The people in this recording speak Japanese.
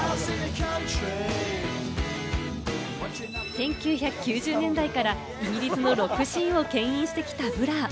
１９９０年代からイギリスのロックシーンをけん引してきたＢｌｕｒ。